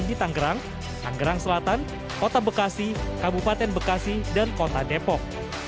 di tanggerang tanggerang selatan kota bekasi kabupaten bekasi dan kota depok